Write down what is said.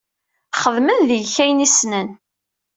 Xedmen deg-k ayen i ssnen.